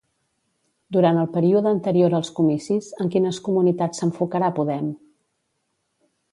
Durant el període anterior als comicis, en quines comunitats s'enfocarà Podem?